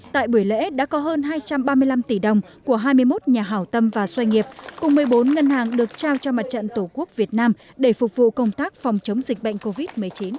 tại buổi lễ đã có hơn hai trăm ba mươi năm tỷ đồng của hai mươi một nhà hảo tâm và xoay nghiệp cùng một mươi bốn ngân hàng được trao cho mặt trận tổ quốc việt nam để phục vụ công tác phòng chống dịch bệnh covid một mươi chín